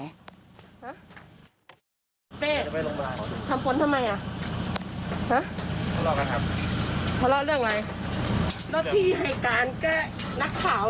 เต้ทำผลทำไม